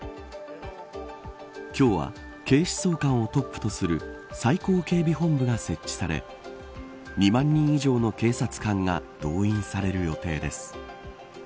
今日は警視総監をトップとする最高警備本部が設置され２万人以上の警察官が動員される予定です。